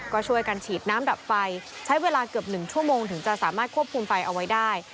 ก็ช่วยกันฉีดน้ำดับไฟใช้เวลาเกือบ๑ชั่วโมงถึงจะสามารถควบคุมไฟเอาไว้ได้